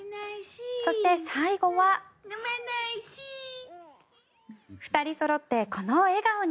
そして、最後は２人そろってこの笑顔に。